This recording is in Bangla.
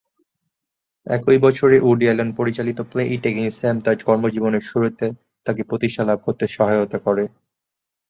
একই বছরে উডি অ্যালেন পরিচালিত "প্লে ইট অ্যাগেইন, স্যাম" তার কর্মজীবনের শুরুতে তাকে প্রতিষ্ঠা লাভ করতে সহায়তা করে।